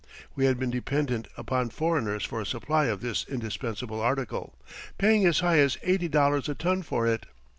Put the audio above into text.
We had been dependent upon foreigners for a supply of this indispensable article, paying as high as eighty dollars a ton for it.